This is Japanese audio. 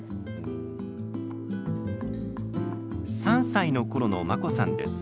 ３歳のころの真心さんです。